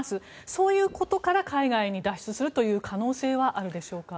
そういうことから海外に脱出するという可能性はあるでしょうか？